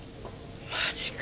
マジか。